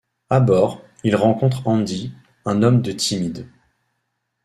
À bord, ils rencontrent Andy, un homme de timide.